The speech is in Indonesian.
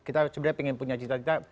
kita sebenarnya ingin punya cita cita